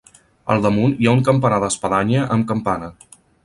Al damunt hi ha un campanar d'espadanya amb campana.